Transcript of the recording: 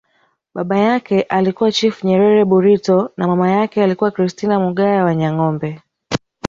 Baba yake alikuwa Chifu Nyerere Burito na mama yake alikuwa Christina Mugaya Wanyangombe